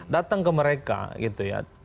datang ke mereka gitu ya